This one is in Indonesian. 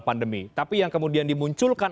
pandemi tapi yang kemudian dimunculkan